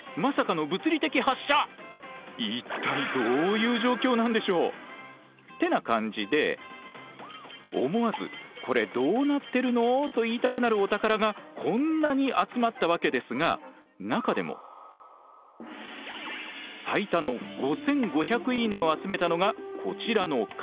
恋の場面だそうなんですが。ってな感じで思わず「コレどうなってるの？」と言いたくなるお宝がこんなに集まったわけですが中でも最多の５，５００「いいね」を集めたのがこちらの兜。